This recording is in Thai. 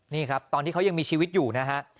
นี่ครับตอนที่เขายังมีชีวิตอยู่นะฮะ